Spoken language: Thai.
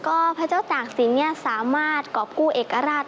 ก็พระเจ้าตากศิลป์สามารถกรอบกู้เอกราช